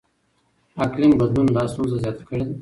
اقلیم بدلون دا ستونزه زیاته کړې ده.